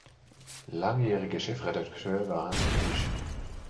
Langjähriger Chefredakteur war Hans Ippisch.